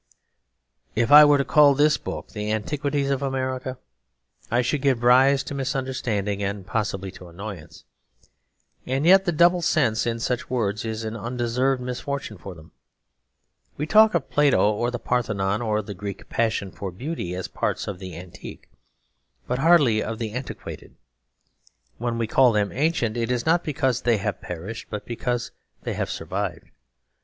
If I were to call this book 'The Antiquities of America,' I should give rise to misunderstanding and possibly to annoyance. And yet the double sense in such words is an undeserved misfortune for them. We talk of Plato or the Parthenon or the Greek passion for beauty as parts of the antique, but hardly of the antiquated. When we call them ancient it is not because they have perished, but rather because they have survived.